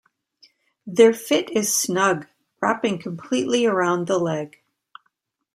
Their fit is snug, wrapping completely around the leg.